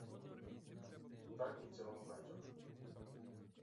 Так і цього вечора.